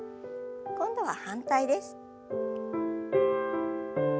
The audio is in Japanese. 今度は反対です。